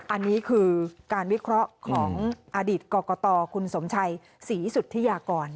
อันนี้คือการวิเคราะห์ของอดีตกรกตคุณสมชัยศรีสุธิยากร